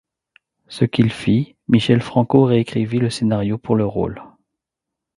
Ce qu'il fit, Michel Franco réécrivit le scénario pour le rôle.